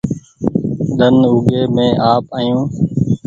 ۮن اوڳي مينٚ آپ آيو